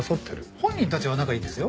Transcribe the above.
本人たちは仲いいんですよ。